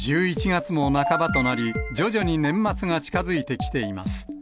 １１月も半ばとなり、徐々に年末が近づいてきています。